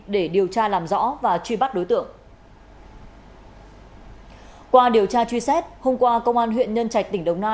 để điều tra làm rõ và truy bắt đối tượng